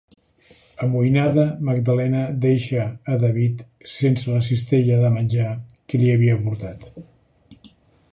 Amoïnada, Magdalena deixa a David sense la cistella de menjar que li havia portat.